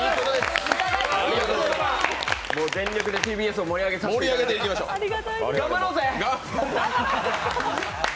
全力でＴＢＳを盛り上げさせていただいて頑張ろうぜ！